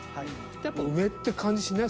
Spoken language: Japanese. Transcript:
やっぱ上って感じしない？